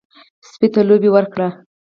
سپي ته لوبې ورکړئ.